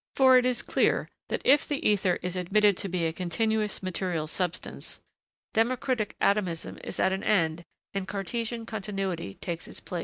For it is clear, that if the ether is admitted to be a continuous material substance, Democritic atomism is at an end and Cartesian continuity takes its place.